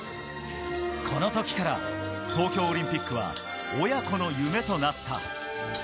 この時から東京オリンピックは親子の夢となった。